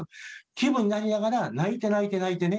気分になりながら泣いて泣いて泣いてね。